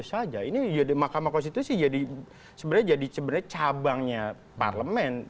maka makamah konstitusi jadi cabangnya parlemen